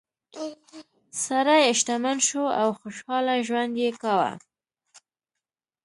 سړی شتمن شو او خوشحاله ژوند یې کاوه.